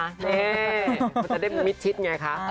นี่มันจะได้มิดชิดไงคะ